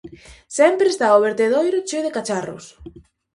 Sempre está o vertedoiro cheo de cacharros!